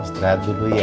istirahat dulu ya